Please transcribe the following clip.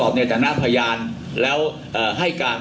ไม่ตรงกับข้อที่จริง